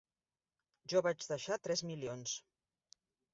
Jo vaig deixar tres milions.